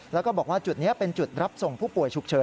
แล้วก็บอกว่าจุดนี้เป็นจุดรับส่งผู้ป่วยฉุกเฉิน